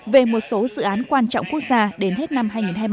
về một số dự án quan trọng quốc gia đến hết năm hai nghìn hai mươi ba